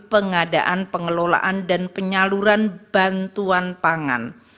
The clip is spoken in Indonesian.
pengadaan pengelolaan dan penyaluran bantuan pangan